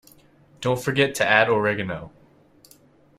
Don't forget to add Oregano.